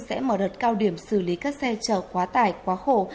sẽ mở đợt cao điểm xử lý các xe chở quá tải quá khổ